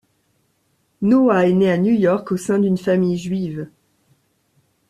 Noah est né à New York au sein d'une famille juive.